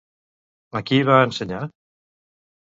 A qui va ensenyar?